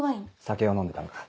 酒を飲んでたのか。